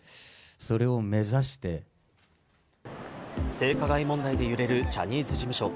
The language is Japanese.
性加害問題で揺れるジャニーズ事務所。